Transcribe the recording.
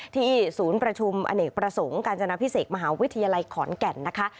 ศูนย์ประชุมอเนกประสงค์การจนาพิเศษมหาวิทยาลัยขอนแก่นนะคะ